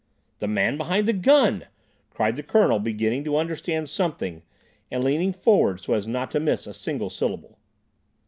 "The man behind the gun!" cried the Colonel, beginning to understand something, and leaning forward so as not to miss a single syllable.